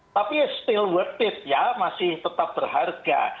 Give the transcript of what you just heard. tapi it's still worth it ya masih tetap berharga